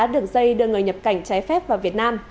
đường dây đưa người nhập cảnh trái phép vào việt nam